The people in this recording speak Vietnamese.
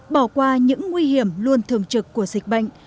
bỏ qua những nguy hiểm luôn thường trực của dịch bệnh